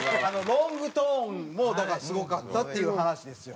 ロングトーンもだからすごかったっていう話ですよ。